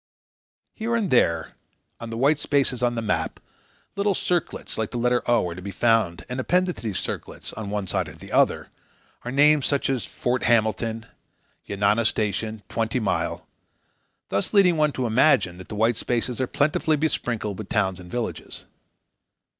Here and there, on the white spaces on the map, little circlets like the letter "o" are to be found, and, appended to these circlets, on one side or the other, are names such as "Fort Hamilton," "Yanana Station," "Twenty Mile," thus leading one to imagine that the white spaces are plentifully besprinkled with towns and villages.